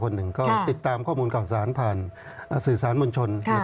หนึ่งก็ติดตามข้อมูลข่าวสารผ่านสื่อสารมวลชน